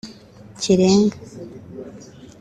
Kirenga